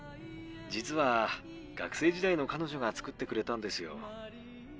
実は学生時代の彼女が作ってくれたんですよ。